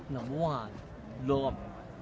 น้ำหวานโล่ม